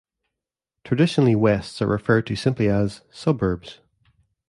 Traditionally Wests are referred to simply as "Suburbs".